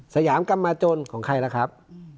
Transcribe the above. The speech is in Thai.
สยามกรรมจนของใครล่ะครับ